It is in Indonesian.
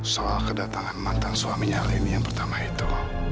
soal kedatangan mantan suaminya leni yang pertama itu